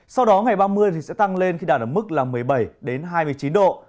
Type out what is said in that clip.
sau đó ngày ba mươi sẽ tăng lên khi đạt mức một mươi bảy đến hai mươi chín độ